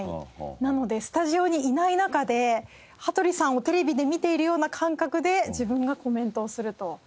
なのでスタジオにいない中で羽鳥さんをテレビで見ているような感覚で自分がコメントをすると。